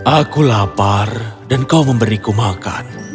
aku lapar dan kau memberiku makan